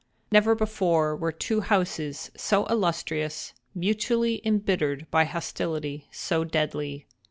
Never before were two houses so illustrious, mutually embittered by hostility so deadly.